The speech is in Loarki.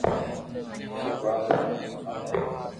ٿاري ٻاپ رو نوم ڪاؤ ھي